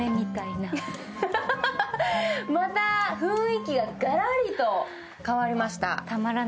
また雰囲気ががらりと変わりました。